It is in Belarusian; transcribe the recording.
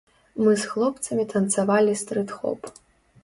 Мы з хлопцамі танцавалі стрыт-хоп.